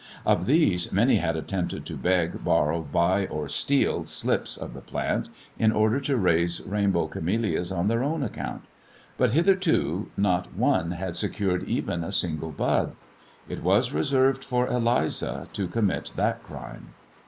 Of these many had attempted to beg, borrow, buy or steal slips of the plant in order to raise rainbow camellias on their own account; but hitherto not one had secured even a single bud. It was reserved for Eliza to commit that crime.